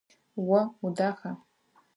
О удаха?